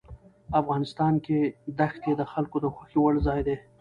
افغانستان کې ښتې د خلکو د خوښې وړ ځای دی.